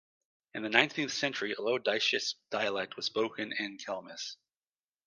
In the nineteenth century a Low Dietsch dialect was spoken in Kelmis.